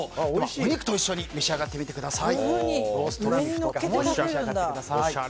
お肉と一緒に召し上がってみてください。